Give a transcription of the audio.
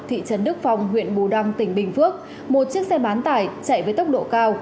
thị trấn đức phong huyện bù đăng tỉnh bình phước một chiếc xe bán tải chạy với tốc độ cao